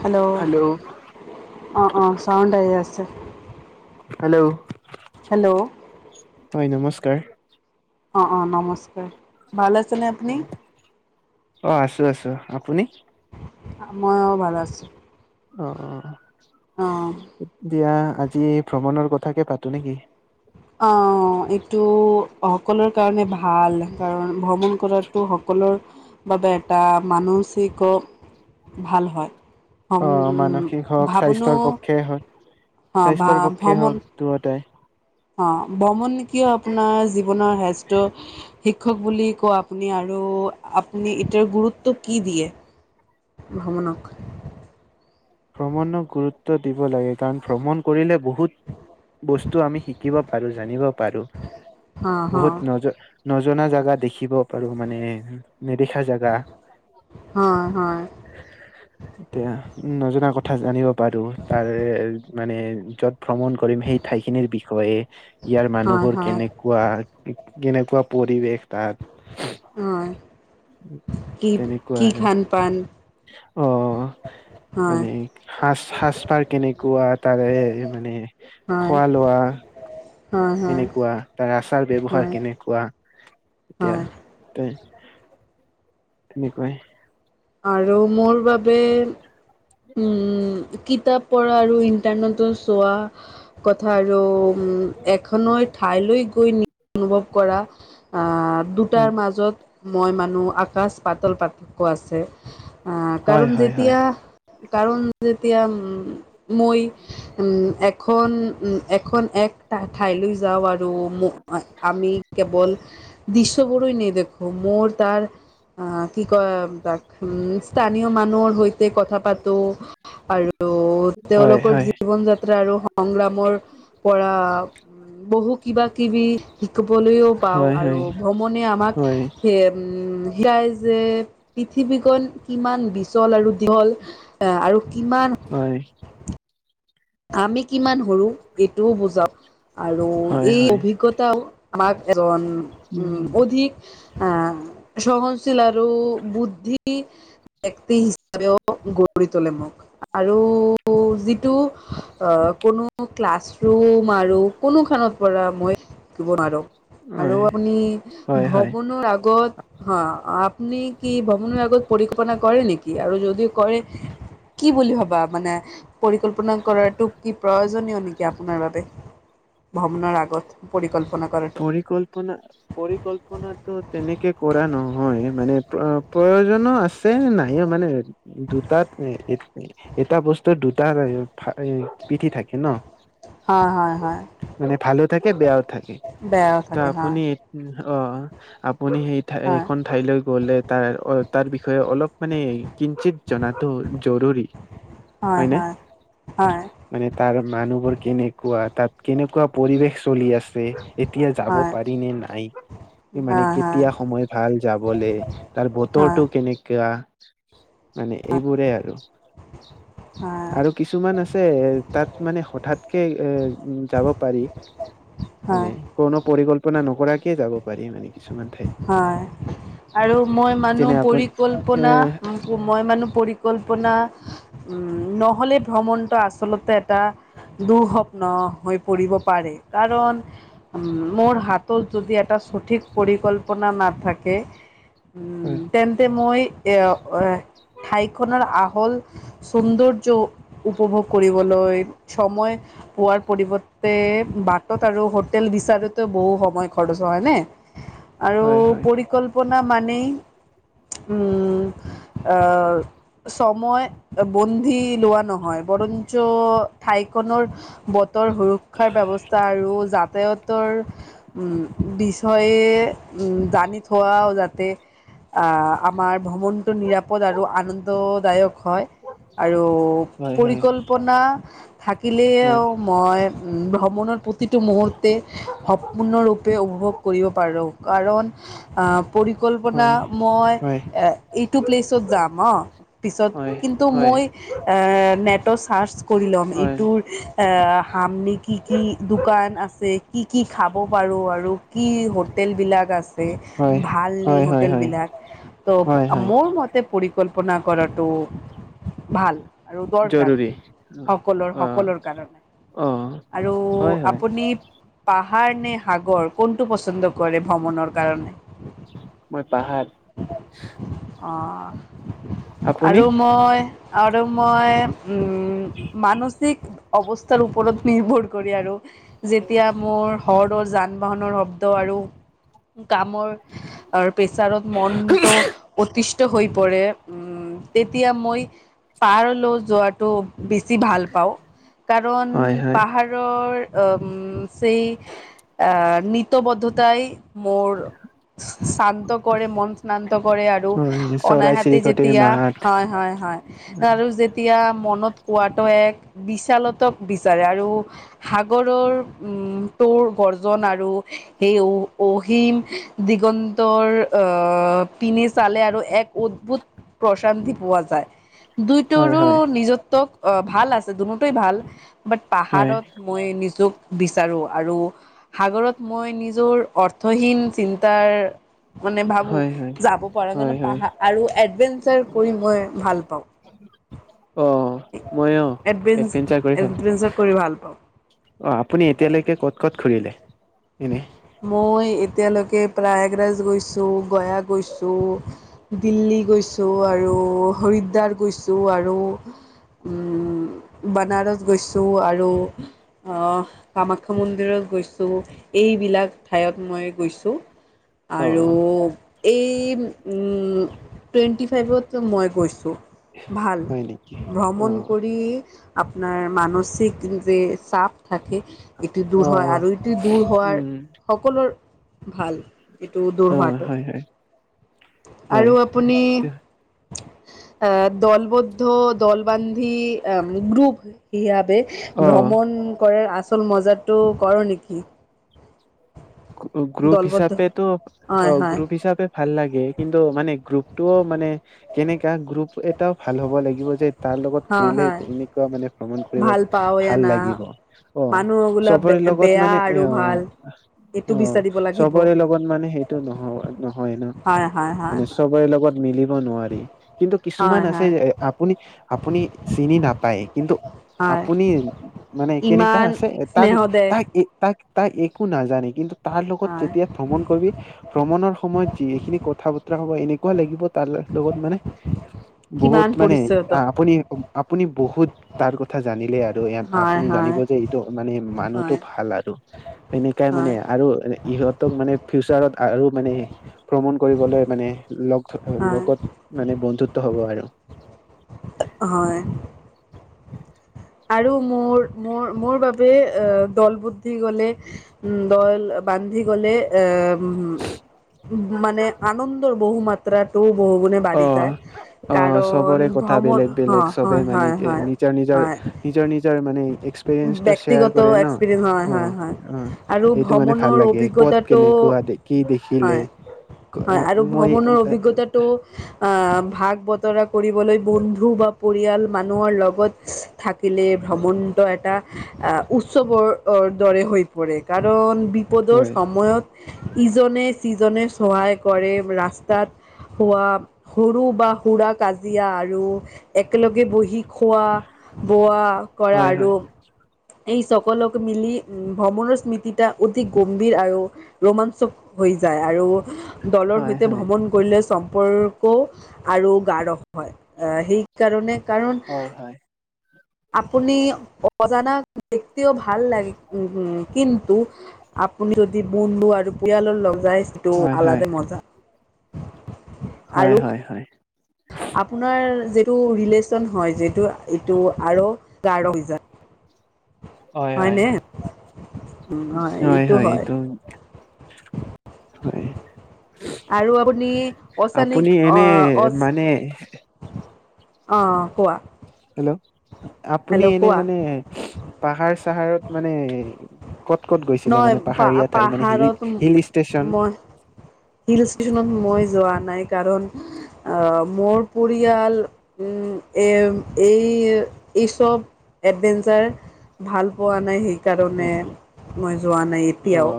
Hello অ অ sound আহি আছে। হেল্ল' হেল্ল' তই অ অ নমস্কাৰ ভাল আছেনে আপুনি। অ আছোঁ আছোঁ আপুনি? মই অ ভাল আছোঁ। অ অঁ অ দিয়া আজি ভ্ৰমণৰ কথাকে পাতোঁ নেকি? অ এইটো সকলোৰে কাৰণে ভাল কাৰণ ভ্ৰমণ কৰাতো সকল- সৰ বাবে এটা মানসিক ভাল হয়। অ মানসিক উম হওক ভাবনো। স্বাস্থ্যৰ পক্ষে হওক অ ভা স্বাস্থ্যৰ পক্ষে হওক ভ্ৰমণ। দুয়োটাই অ ব্ৰমনে কিয় আপোনাৰ জীৱনৰ হেড শিক্ষক বুলি ক আপুনি আৰু আপুনি এতিয়াৰ গুৰুত্ব কি দিয়ে। ভ্ৰমণক। ভ্ৰমণক গুৰুত্ব দিব লাগে কাৰণ ভ্ৰমণ কৰিলে বহুত বস্তু আমি শিক শিকিব পাৰো জানিব পাৰো অঁ অঁ বহুত নজ নজনা জেগা দেখিব পাৰো তাৰ মানে নেদেখা জাগা। হয় হয় এতিয়া উ নজ কথা জানিব পাৰোঁ তাৰে মানে য'ত ভ্ৰমণ কৰিম সেই ঠাইখিনিৰ বিষয়ে ইয়াৰ হয় মানুহবোৰ হয় কেনেকুৱা কেনেকোৱা পৰিৱেশ তাত। অ কি তেনেকুৱা কি আৰু খান পান। অ হয় মানে সাজ সাজ পাৰ কেনে- কোৱা তাৰে মানে হয় খোৱা লোৱা। হয় হয় কেনেকুৱা তাৰ আচাৰ ব্যৱহাৰ হয় কেনেকুৱা এতিয়া হয় ত? তেনেকুৱাই আৰু মোৰ বাবে উম কিতাপ পঢ়া আৰু ইন্টাৰনেটৰ চোৱা কথা আৰু এখনৈ ঠাইলৈ গৈ নি অনুভৱ কৰা। দুটাৰ হয় মাজত মই মানুহ আকাশ পাতল পাৰ্থক্য আছে। আহ হয় কাৰণ হয় যেতিয়া কাৰণ যেতিয়া উম। মই উম এখন উ এখন এক ঠাইলৈ যাওঁ আৰু আৰু আমি কেৱল দৃশ্যবোৰেই নেদেখো মোৰ তাৰ আহ কি কয় উ স্থানীয় মানুহৰ সৈতে কথা পাতো। আৰু হয় তেওঁলোকৰ হয় জীৱন যাত্ৰা আৰু সংগ্ৰামৰ পৰা বহু কিবা কিবি শিকিবলৈও পাওঁ হয় আৰু হয় ভ্ৰমণে আমাক হয় সেই সেয়াই যে পৃথিৱীখন কিমান বিচল আৰু দীঘল আৰু কিমান হয়। আমি কিমান সৰু এইটোও বুজাও। আৰু হয় এই হয় অভিজ্ঞতাও আমাক এজন উম অধিক আহ সহনশীল আৰু বুদ্ধি টি ব্যক্তি হিচাপেও গঢ়ি তোলিব আৰু যি তো অ কোনো ক্লাছৰুম আৰু কোনো খেনত পৰা মই দিব নোৱাৰোঁ। আৰু হয় আপুনি হয় হয় ভ্ৰমণৰ আগত হা আ আপুনি কি ভ্ৰমণৰ আগত পৰিকল্পনা কৰে নেকি আৰু যদিও কৰে। কি বুলি ভাবা মানে পৰিকল্পনা কৰাতো প্ৰয়োজনীয় নেকি আপোনাৰ বাবে ভ্ৰমণৰ আগত পৰিকল্পনা। কৰাটো পৰিকল্পনা পৰিকল্পনাটো তেনেকে কৰা ন। হয় মানে প্ৰয়োজনো আছে নাইও মানে দুটাত। এটা বস্তু দুটা পিঠি থাকে ন। হয় হয় হয় মানে ভালো থাকে বেয়াও থাকে। বেয়াও ত থাকে হা। আপুনি অ আপুনি সেই ঠাই এখন ঠাইলৈ গলে তাৰ অ তাৰ বিষয়ে অলপ মানে কিঞ্চিত জনাটো জৰুৰী। হয় নে হয় মানে তাৰ মানুহবোৰ কেনেকুৱা তাত কেনেকুৱা পৰিৱেশ চলি আছে এতিয়া যাব হয় পাৰিনে নাই। এই মানে হয় কেতিয়া হয় সময় ভাল যাবলে, তাৰ হয় বতৰটো কেনেকা মানে এইবোৰে আৰু। হয় আৰু কিছুমান আছে তাত মানে হঠাৎকে এ যাব পাৰি। মানে হয়। কোনো পৰিকল্পনা নকৰাকে যাব পাৰি মানে কিছুমান ঠাইত। হয় আৰু মই মানো যেনে আপুনি এ পৰিকল্পনা, মই মানো পৰিকল্পনা উম, নহলে ভ্ৰমণটো আচলতে এটা দূৰসপ্ন হৈ পৰিব পাৰে কাৰণ উ মোৰ হাতত যদি এটা চঠিক পৰিকল্পনা নাথাকে উ তেন্তে মই এও - অয়ে - ঠাইখনৰ আহল চৌন্দৰ্য উপভোগ কৰিবলৈ চময় পোৱাৰ পৰিৱৰ্তে বাটত আৰু হোটেল বিচাৰোতে বহু সময় খৰচ হয় হয়নে? আৰু হয় হয় পৰিকল্পনা মানেই, উম অ চময় বন্ধি লোৱা নহয়, বৰঞ্চ ঠাইখনৰ বতৰ সুৰক্ষাৰ ব্যৱস্থা আৰু যাতায়তৰ বিচয়ে এ জানি থোৱাও যাতে আ - আমাৰ ভ্ৰমণটো নিৰাপদ আৰু আনন্দদায়ক হয়। আৰু হয় হয় পৰিকল্পনা থাকিলেও হয় মই ভ্ৰমণৰ প্ৰতিটো মুহূৰ্তে সপূৰ্ণৰূপে উপভোগ অ পৰিকল্পনা হয় মই হয় এ - এইটো প্লেচত যাম অ' পিছত হয় কিন্তু ম হয় মই অ - নেট' চাৰ্চ কৰি লম হয় ইটোৰ সামনে কি কি দোকান আছে, কি কি খাব পাৰো আৰু কি হোটেল বিলাক আছে, হয় ভাল নি হয় হয় হয় হোটেল হয় বিলাক। ত' হয় হয় মোৰ মত তে পৰিকল্পনা কৰাটো ভাল। আৰু দৰকাৰ। জৰুৰী সকলৰ অ সকলৰ কাৰণে। অ আৰু হয় হয় আপুনি পাহাৰ নে সাগৰ কোনটো পচন্দ কৰে ভ্ৰমণৰ কাৰণে? মই পাহাৰ অ'। আপুনি আৰু মই আৰু মই উম মানচিক অৱস্থাৰো ওপৰত নিৰ্ভৰ কৰে আৰু যেতিয়া মোৰ হৰৰ জান বাহনৰ শব্দ আৰু কামৰ আৰু প্ৰেছাৰত মনটো অতিচ ত হৈ পৰে উম তেতিয়া মই পাহৰল' যোৱাটো বেছি ভাল পাওঁ কাৰণ হয় হয় পাহাৰৰ অম সেই অ নিতবদ্ধতাই মোৰ চা - চান্ত কৰে মন স্নান্ত কৰে আৰু হয় চৰাই অনাহেতে চিৰিকটিৰ যেতিয়া, মাত হয় হয়। হয় আৰু যেতিয়া মনত কোৱাটো এক বিচালতক বিচাৰে আৰু সাগৰৰ উম তোৰ বৰ্জন আৰু সেই অ - অহিম দিগন্তৰ অ পিন নি চালে আৰু এক অদ্ভুত প্ৰচান্তি পোৱা যায়। হয় দুইটুৰো হয় নিজত্বক অ ভাল আছে দুনো টোই‌ ভাল বাট হয় পাহাৰত মই নিজক বিচাৰো আৰু সাগৰত মই নিজৰ অৰ্থহীন চিন্তাৰ মানে ভাবো হয় হয় যাব পৰা হয় জানো হয় পাহা আৰু এডভেঞ্চাৰ কৰি মই ভাল পাওঁ। অ' মইওঁ এডভেঞ্চ এডভেঞ্চাৰ কৰি এডভেঞ্চাৰ কৰি ভাল পাওঁ থাকো। অ' আপুনি এতিয়ালৈকে ক'ত ক'ত ঘুৰিলে? মই এতিয়ালৈকে প্ৰায়াগৰাজ গৈছোঁ, গয়া গৈছোঁ, দিল্লী গৈছোঁ আৰ আৰু হৰিদ্বাৰ গৈছোঁ আৰু। বানাৰস গৈছোঁ আৰু কামাখ্যা মন্দিৰত। গৈছোঁ এইবিলাক ঠাইয়ত মই গৈছোঁ। অ আৰু এই টুৱেণ্টি ফাইভত মই গৈছোঁ। ভাল হয় নেকি অ ভ্ৰমণ কৰি আপোনাৰ মানসি সিক ৰূপে চাপ থাকে ইটো অ দূৰ হয় আৰু ইটো। দূৰ হোৱাৰ উম সকলো ভাল এইটো দূৰ অ হোৱাটো। হয় হয় আৰু হয় আপুনি। দলবদ্ধ দল বান্ধী গ্ৰুপ ইয়াত। অ ভ্ৰমণ কৰাৰ আচল মজাটো ক'ৰ নেকি। গ্ৰুপ দলবদ্ধ হিচাপেটো অ হয় হয় গ্ৰুপ হিচাপে ভাল লাগে কিন্তু মানে গ্ৰুপটোও মানে। কেনেকুৱা গ্ৰুপ এটাও ভাল হ'ব লাগিব যে। তাৰ লগত হয় ঘুৰিলে হয় এনেকুৱা মানে ভ্ৰমণ কৰিব ভাল পাওঁ ভাল লাগিব না অ মানুহগুলা চবৰে। লগত বেয়া মানে আৰু এওঁ। ভাল এইটো অ বিচাৰিব লাগিব চবৰে লগত মানে সেইটো নহ নহয় ন হয় হয় হয় মানে চবৰে লগ। মিলিব নোৱাৰি কিন্তু হয় কিছুমান আছে হয় যে আপুনি আপুনি চিনি নাপায় কিন্তু। হয় আপুনি মানে কেনেকা ইমান আছে তাক স্নেহ দে তাক তাক তাক একো নাজানে। কিন্তু তাৰ লগত হয় যেতিয়া ভ্ৰমণ কৰিবি ভ্ৰমণৰ সময়ত যিখিনি কথা বতৰা হ'ব এনে। কুৱা লাগিব তাৰ লগত মানে কিমান বহুত মানে পৰিচয় তই আপুনি আপুনি। বহুত তাৰ কথা জানিলে আৰু হয় আপুনি হয় জানিব যে এইটো মানে হয় মানুহটো ভাল আৰু। এনেকাই মানে। হয় আৰু ইহঁতক মানে ফিউচাৰত আৰু মানে ভ্ৰমণ কৰিবলৈ মানে লগ। হয় লগত মানে বন্ধুত্ব হ'ব আৰু। হয়। আৰু মোৰ- মোৰ -মোৰ বাবে দল বান্ধি গলে উ দল। বান্ধি গ'লে এ মানে আনন্দৰ বহু মাত্ৰাটো। বহু গুণে অ বাঢ়ি যায় অ কাৰণ চবৰে কথা বেলেগ ভ্ৰমণ বেলেগ চবে হয় মানে -হয় কি নিজৰ নিজৰ হয়। নিজৰ নিজৰ মানে। এক্সপিৰিয়েঞ্চটো শ্বেয়াৰ ব্যক্তিগত কৰে ন, এক্সপিৰিয়েঞ্চ হয় অ হয় হয় -অ আৰু সেইটো মানে ভ্ৰমণৰ ভাল লাগে ক'ত অভিজ্ঞতাটো কেনেক। কুৱা দেখি দেখিলে। হয় হয় আৰু মই ভ্ৰমণৰ অভিজ্ঞতাটো। ভাগ বতৰা কৰিবলৈ বন্ধু বা পৰিয়াল মানুহৰ লগত থাকিলে। ভ্ৰমণ। এটা উৎসৱৰ দৰে হৈ পৰে কাৰণ বিপদৰ হয় সময়ত। ইজনে সিজনে চহায় কৰে ৰাস্তাত। হোৱা সৰু বা সুৰা কাজিয়া আৰু একেলগে বহি। খোৱা বোৱা কৰা হয় আৰু। এই চকলক মিলি উ ভ্ৰমণৰ স্মৃতিটা অধিক গম্ভীৰ আৰু ৰোমাঞ্চক হৈ। যায় আৰু দলৰ হয় সৈতে হয় ভ্ৰমণ কৰিলে চব। সম্পৰ্ক আৰু গাঢ় হয় সেইকাৰণে কাৰণ। হয় হয় আপুনি অজানাক দেখিও ভাল লাগে উম উম্। কিন্তু আপুনি যদি বন্ধু আৰু পৰিয়ালৰ লগত। ৰাইজটো হয় হয় আলাদে মজা। হয় আৰু হয় হয়। আপোনাৰ যিটো ৰিলেচন হয় যিটো এইটো আৰু। গাঢ় হৈ যায়। হয় হয় হয়নে হয় হয় হয় এইটো। হয়। আৰু আপুনি অচানিক আপুনি অ এনে অচ মানে। অ কোৱা। হেল্ল' আপুনি হেল্ল' এনে কোৱা মানে, পাহাৰ চাহাৰত মানে। ক'ত ক'ত গৈছিলে নহয় মানে পা পাহাৰীয়া ঠাই মানে, হিল পাহাৰত হিল ষ্টেচন। মই হিল ষ্টচনত মই যোৱা নাই কাৰণ। আহ মোৰ পৰিয়াল, উম এ এই এইচব। এডভেঞ্চাৰ, ভাল পোৱা নাই শিক। কাৰণে হয় মই যোৱা নাই অ এতিয়াও।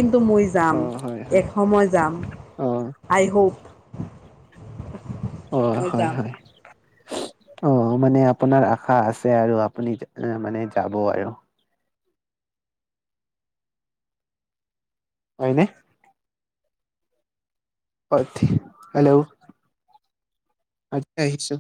কিন্তু মই অ হয় হয় যাম। অ খুব। অ হয় হয়। অ মানে আপোনাৰ আশা আছে আৰু আপুনি মানে যাব আৰু। হয়নে। অ হেল্ল'। আমি আহিছো।